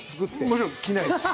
もちろん着ないです。